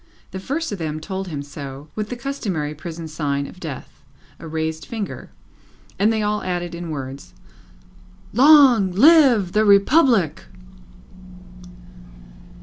The first of them told him so, with the customary prison sign of Death a raised finger and they all added in words, "Long live the Republic!"